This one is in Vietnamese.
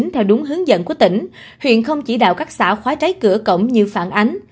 theo đúng hướng dẫn của tỉnh huyện không chỉ đạo các xã khóa trái cửa cổng như phản ánh